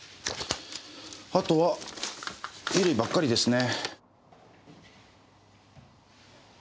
あとは衣類ばっかりですね。